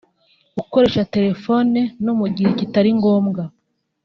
Gukoresha telefoni no mu gihe kitari ngombwa